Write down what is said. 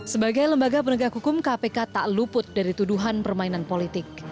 sebagai lembaga penegak hukum kpk tak luput dari tuduhan permainan politik